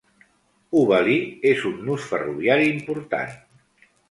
Hubballi és un nus ferroviari important.